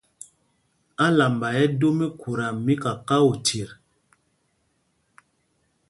Álamba ɛ́ ɛ́ dō míkhuta mí kakao chyet.